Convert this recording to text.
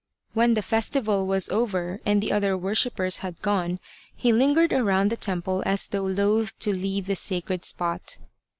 When the festival was over and the other worshippers had gone, he lingered around the temple as though loth to leave the sacred spot.